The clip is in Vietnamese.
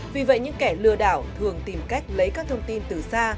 vì vậy những kẻ lừa đảo thường tìm cách lấy các thông tin từ xa